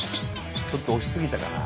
ちょっと押し過ぎたかな？